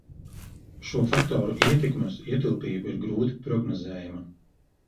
Šo faktoru ietekme uz ietilpību ir grūti prognozējama.